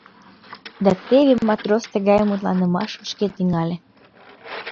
Да теве матрос тыгай мутланымашым шке тӱҥале...